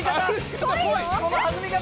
その弾み方。